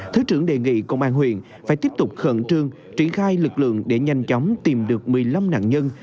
thứ trưởng đề nghị công an huyện phải tiếp tục khẩn trương triển khai lực lượng để nhanh chóng tìm được một mươi năm nạn nhân